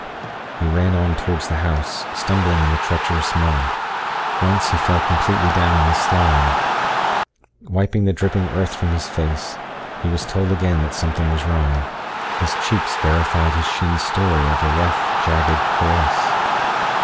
He ran on towards the house, stumbling in the treacherous mud. Once he fell completely down in the slime. Wiping the dripping earth from his face, he was told again that something was wrong. His cheeks verified his shin's story of a rough, jagged caress.